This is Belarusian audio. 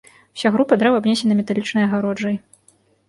Уся група дрэў абнесена металічнай агароджай.